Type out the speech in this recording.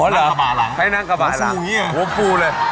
ผมถึงไปหัวผู้เลย